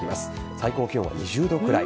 最高気温は２０度くらい。